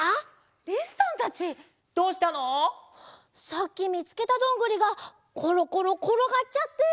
さっきみつけたどんぐりがころころころがっちゃって。